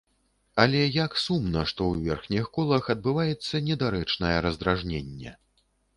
Але як сумна, што ў верхніх колах адбываецца недарэчнае раздражненне.